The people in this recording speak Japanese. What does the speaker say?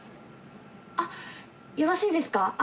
あっよろしいですか？